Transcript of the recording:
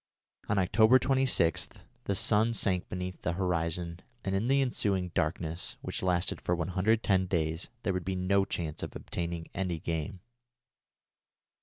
On October 26 the sun sank beneath the horizon, and in the ensuing darkness, which lasted for 110 days, there would be no chance of obtaining any game.